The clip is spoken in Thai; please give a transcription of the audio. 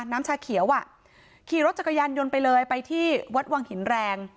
น้ำชาเขียวอ่ะขี่รถจักรยานยนต์ไปเลยไปที่วัดวังหินแรง